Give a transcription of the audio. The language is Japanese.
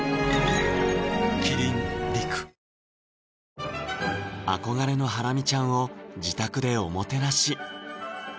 キリン「陸」憧れのハラミちゃんを自宅でおもてなし